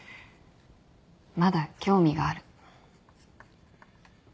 まだ興味がある。